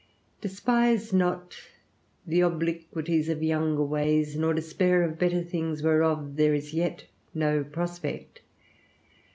Despise not the obliquities of younger ways, nor despair of better things whereof there is yet no prospect.